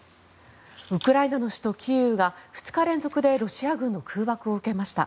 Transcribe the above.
ウクライナの首都キーウが２日連続でロシア軍の空爆を受けました。